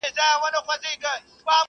سړي سمدستي تعویذ ورته انشاء کړی,